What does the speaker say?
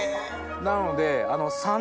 なので。